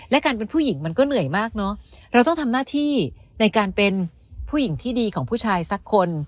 และการเป็นผู้หญิงมันก็เหนื่อยมากเนอะเราต้องทำหน้าที่ในการเป็นผู้หญิงที่ดีของผู้ชายสักคน